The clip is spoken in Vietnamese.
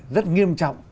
rất nghiêm trọng